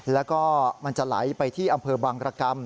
แล้วก็มันจะไหลไปที่อำเภอบังรกรรม